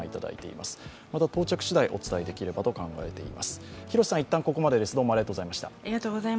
また到着次第、お伝えできればと考えています。